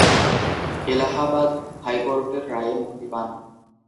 এলাহাবাদ হাইকোর্টের রায়ে মুক্তি পান।